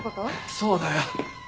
そうだよ。